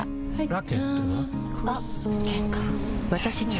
ラケットは？